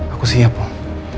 aku siap om